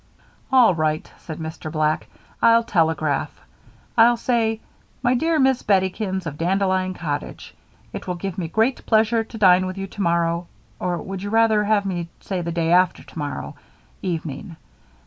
"All right," said Mr. Black, "I'll telegraph. I'll say: 'My dear Miss Bettykins, of Dandelion Cottage: It will give me great pleasure to dine with you tomorrow or would you rather have me say the day after tomorrow? evening.